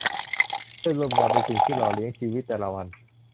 เพื่อนร่วมงานเป็นสิ่งที่หล่อเลี้ยงชีวิตแต่ละวัน